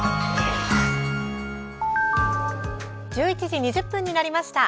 １１時２０分になりました。